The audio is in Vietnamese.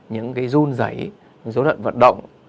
những dung giấy những dấu đoạn vận động